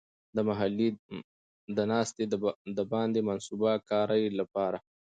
د محلي د ناستې د باندې د منصوبه کارۍ لپاره.